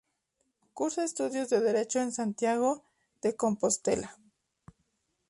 Cursa estudios de derecho en Santiago de Compostela.